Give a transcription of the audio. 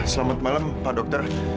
selamat malam pak dokter